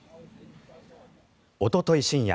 おととい深夜